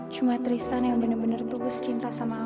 cuma tristan yang bener bener tulus cinta sama aku